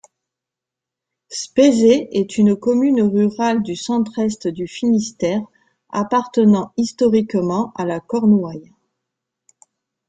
Spézet est une commune rurale du centre-est du Finistère, appartenant historiquement à la Cornouaille.